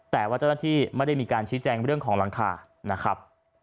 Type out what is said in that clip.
แต่ว่าเจ้าหน้าที่ไม่ได้มีการชี้แจงเรื่องของหลังคานะครับ